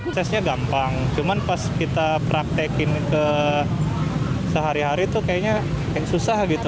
tesnya gampang cuman pas kita praktekin ke sehari hari tuh kayaknya susah gitu